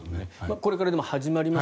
これから始まります。